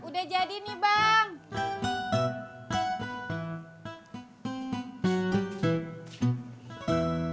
udah jadi nih bang